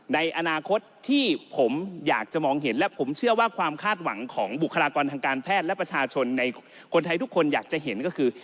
ในอนาคตที่ผมอยากจะมองเห็นและผมเชื่อว่าความคาดหวังของบุคลากรทางการแพทย์และประชาชนในคนไทยทุกคนอยากจะเห็นก็คือ